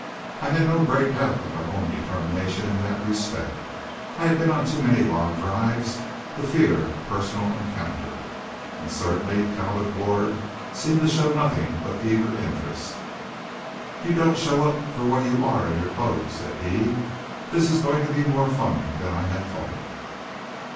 I had no great doubt of my own determination in that respect I had been on too many log drives to fear personal encounter. And certainly Talbot Ward seemed to show nothing but eager interest. "You don't show up for what you are in your clothes," said he. "This is going to be more fun than I had thought."